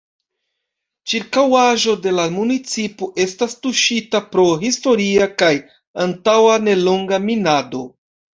Ĉirkaŭaĵo de la municipo estas tuŝita pro historia kaj antaŭ nelonga minado.